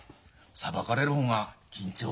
裁かれる方が緊張！